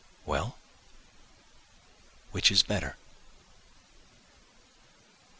Well, which is better?